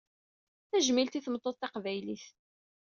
Tajmilt i tmeṭṭut taqbaylit!